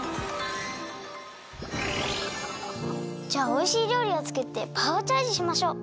じゃあおいしいりょうりをつくってパワーチャージしましょう！